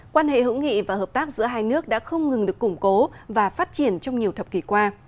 quan hệ hữu nghị và hợp tác giữa hai nước đã không ngừng được củng cố và phát triển trong nhiều thập kỷ qua